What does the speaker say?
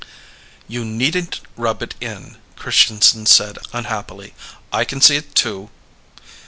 "You needn't rub it in," Christianson said unhappily. "I can see it, too."